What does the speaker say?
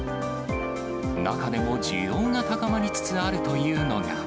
中でも需要が高まりつつあるというのが。